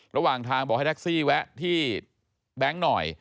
ระหว่างทางบอกให้แท็กซี่แวะที่แบงค์หน่อย